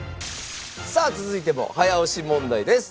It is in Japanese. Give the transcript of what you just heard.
さあ続いても早押し問題です。